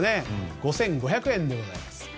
５５００円でございます。